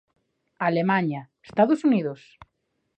Alemaña, Estados Unidos?